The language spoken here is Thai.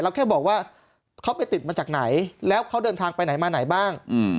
แค่บอกว่าเขาไปติดมาจากไหนแล้วเขาเดินทางไปไหนมาไหนบ้าง